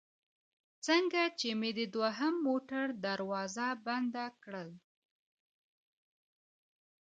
څنګه چې مې د دوهم موټر دروازه بنده کړل.